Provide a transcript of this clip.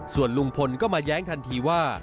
ส่วนลุงพลก็มาแย้งทันทีว่า